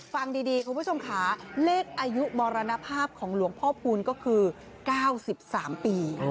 ฟังดีคุณผู้ชมค่ะเลขอายุมรณภาพของหลวงพ่อพูนก็คือ๙๓ปี